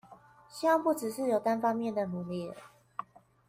希望不是只有單方面的努力